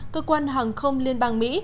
cơ quan hàng không liên bang mỹ